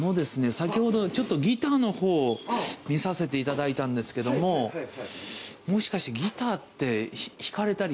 先ほどちょっとギターの方を見させていただいたんですけどももしかしてギターって弾かれたり？